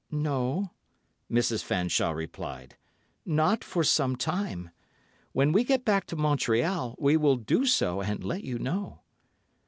"No," Mrs. Fanshawe replied, "not for some time. When we get back to Montreal, we will do so, and let you know."